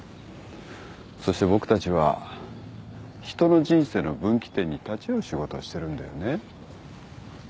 そして僕たちは人の人生の分岐点に立ち会う仕事をしてるんだよね。